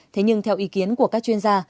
thế nhưng theo ý kiến của các chuyên gia